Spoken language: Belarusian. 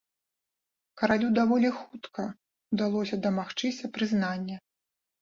Каралю даволі хутка ўдалося дамагчыся прызнання.